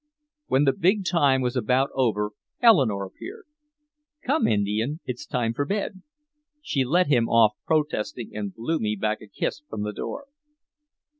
When the big time was about over Eleanore appeared: "Come, Indian, it's time for bed." She led him off protesting and blew me back a kiss from the door.